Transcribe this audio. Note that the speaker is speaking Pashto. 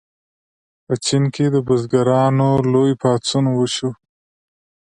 په چین کې د بزګرانو لوی پاڅون وشو.